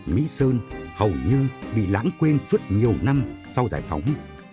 mỹ sơn hầu như bị lãng quên suốt nhiều năm sau giải phóng